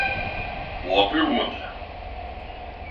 Boa pergunta